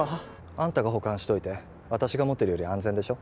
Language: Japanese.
あんたが保管しといて私が持ってるより安全でしょ？